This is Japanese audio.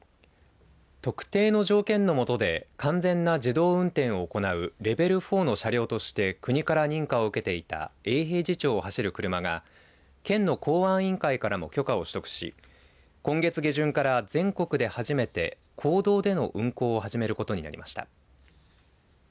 特定の条件の下で完全な自動運転を行うレベル４の車両として国から認可を受けていた永平寺町を走る車が県の公安委員会からの許可を取得し今月下旬から全国で初めて公道での運航を始めることになりました。